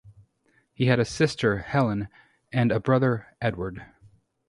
He had a sister, Helen, and a brother, Edward.